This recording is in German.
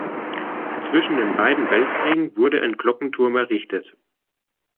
Zwischen den beiden Weltkriegen wurde ein Glockenturm errichtet.